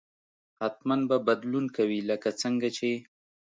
حتما به بدلون کوي لکه څنګه چې